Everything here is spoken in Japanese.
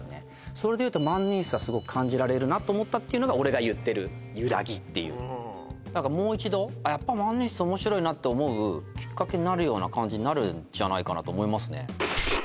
それでいうと万年筆はすごく感じられるなと思ったっていうのが俺が言ってるゆらぎっていう何かもう一度あっやっぱような感じになるんじゃないかなと思いますね